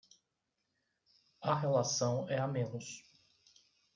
A relação é a menos